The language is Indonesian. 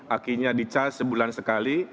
akinya dicas sebulan sekali